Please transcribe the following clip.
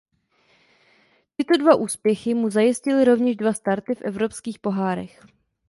Tyto dva úspěchy mu zajistily rovněž dva starty v evropských pohárech.